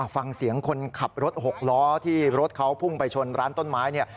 ฟังเสียงคนขับรถหกล้อที่รถเขาพุ่งไปชนร้านต้นไม้เนี่ย